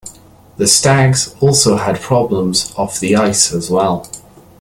The Stags also had problems off the ice as well.